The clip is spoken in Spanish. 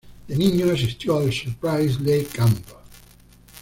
De niño asistió al Surprise Lake Camp.